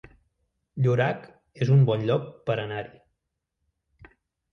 Llorac es un bon lloc per anar-hi